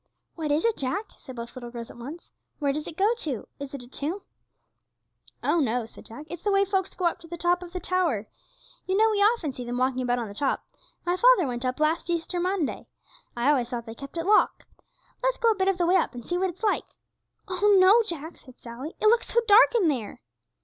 'What is it, Jack?' said both little girls at once; 'where does it go to? Is it a tomb?' 'Oh, no,' said Jack; 'it's the way folks go up to the top of the tower; you know we often see them walking about on the top; my father went up last Easter Monday. I always thought they kept it locked; let's go a bit of the way up, and see what it's like.' 'Oh, no, Jack,' said Sally; 'it looks so dark in there.'